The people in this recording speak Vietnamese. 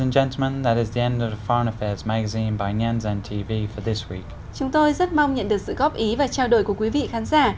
chúng tôi rất mong nhận được sự góp ý và trao đổi của quý vị khán giả